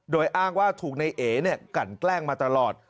โดยอ้างว่าถูกในเอกันแกล้งมาตลอด